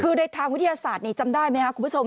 คือในทางวิทยาศาสตร์นี้จำได้ไหมครับคุณผู้ชม